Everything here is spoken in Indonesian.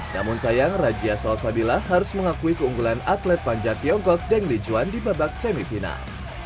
namun sayang rajia salsabila harus mengakui keunggulan atlet panjat tiongkok deng lee juan di babak semifinal